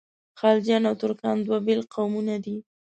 خلجیان او ترکان دوه بېل قومونه دي.